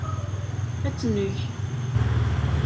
Ad tt-neg.